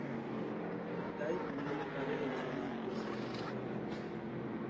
Está disponible en varias ediciones impresas y en Internet.